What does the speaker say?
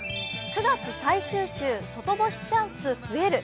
９月最終週外干しチャンス増える。